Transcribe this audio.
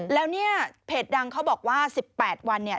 แล้วเนี่ยเพจดังเขาบอกว่า๑๘วันเนี่ย